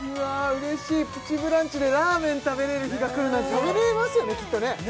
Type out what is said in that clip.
嬉しい「プチブランチ」でラーメン食べれる日が来るなんて食べれますよね